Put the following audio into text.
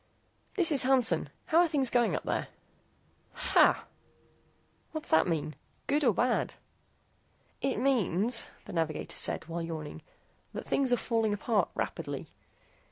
"This is Hansen. How're things going up there?" "Ha!" "What's that mean? Good or bad?" "It means," the navigator said, while yawning, "that things are falling apart rapidly.